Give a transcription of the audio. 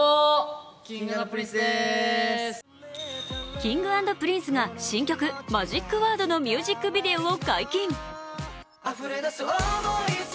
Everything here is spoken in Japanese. Ｋｉｎｇ＆Ｐｒｉｎｃｅが新曲「ＭＡＧＩＣＷＯＲＤ」のミュージックビデオを解禁。